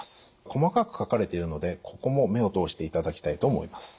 細かく書かれているのでここも目を通していただきたいと思います。